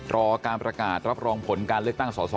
รอการประกาศรับรองผลการเลือกตั้งสอสอ